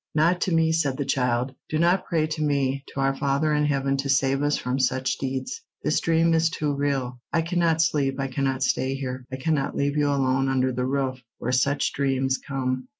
"Not to me," said the child, "do not pray to me—to our Father in heaven to save us from such deeds. This dream is too real. I cannot sleep, I cannot stay here, I cannot leave you alone under the roof where such dreams come.